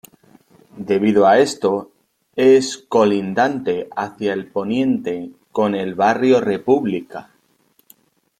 Debido a esto, es colindante hacia el poniente con el Barrio República.